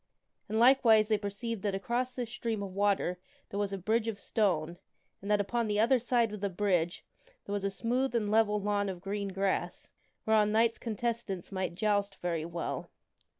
And, likewise, they per ceived that across this stream of water there was a bridge of stone, and that upon the other side of the bridge there was a smooth and level lawn of green grass, whereon Knights contestants might joust very well.